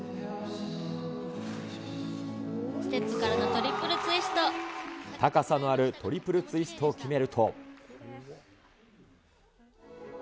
ステップからのトリプルツイ高さのあるトリプルツイストを決めると。